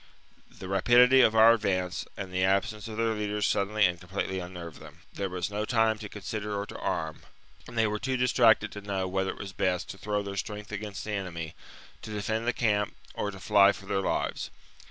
The rapidity of our advance and the absence of their leaders sud denly and completely unnerved them ; there was IV USIPETES AND TENCTERI 107 no time to consider or to arm ; and they were 55 b.c. too distracted to know whether it was best to throw their strength against the enemy, to defend the camp, or to fly for their Hves.